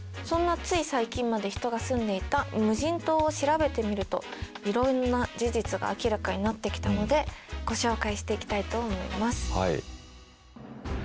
そんなつい最近まで人が住んでいた無人島を調べてみるといろんな事実が明らかになってきたのでご紹介していきたいと思います。